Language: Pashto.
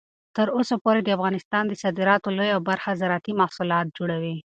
تر اوسه پورې د افغانستان د صادراتو لویه برخه زراعتي محصولات جوړوي.